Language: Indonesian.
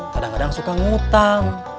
kadang kadang suka ngutang